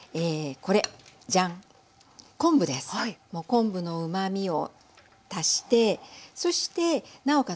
昆布のうまみを足してそしてなおかつ